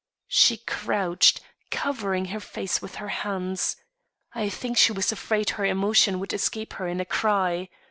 She crouched, covering her face with her hands. I think she was afraid her emotion would escape her in a cry.